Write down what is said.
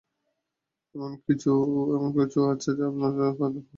এমন কিছু কি আছে যা আপনি পারেন না?